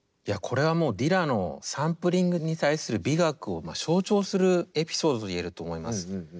いやこれはもうディラのサンプリングに対する美学を象徴するエピソードと言えると思います。